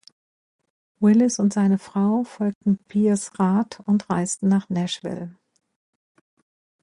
Willis und seine Frau folgten Pierces Rat und reisten nach Nashville.